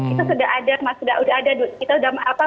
itu sudah ada sudah ada